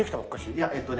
いやえっとね